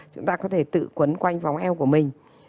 chúng ta có thể tự quấn quanh vòng eo của mình